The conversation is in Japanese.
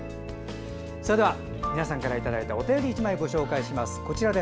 それでは皆さんからいただいたお便り１枚ご紹介します。